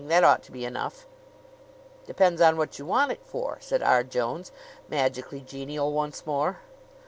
That ought to be enough." "Depends on what you want it for," said R. Jones, magically genial once more.